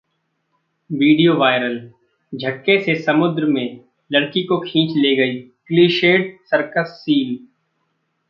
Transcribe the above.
video viral: झटके से समुद्र में लड़की को खींच ले गई...क्लीशेड सर्कस सील